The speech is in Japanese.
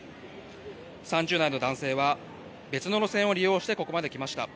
３０代の男性は別の路線を利用してここまで来ました。